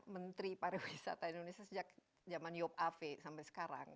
menteri pariwisata indonesia sejak zaman yop ave sampai sekarang